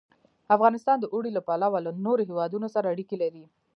افغانستان د اوړي له پلوه له نورو هېوادونو سره اړیکې لري.